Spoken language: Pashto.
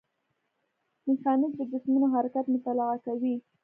میخانیک د جسمونو حرکت مطالعه کوي.